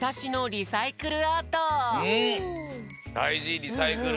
だいじリサイクル。